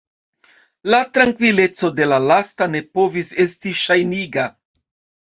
La trankvileco de la lasta ne povis esti ŝajniga.